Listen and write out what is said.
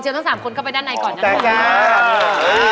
ทั้ง๓คนเข้าไปด้านในก่อนนะคะ